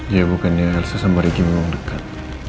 ya bukannya elsa sama ricky meluang dekat